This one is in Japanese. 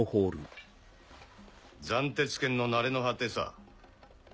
斬鉄剣の成れの果てさ。